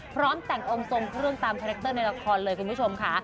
พร้อมแต่งองค์ทรงเครื่องตามคาแรคเตอร์ในละครเลยคุณผู้ชมค่ะ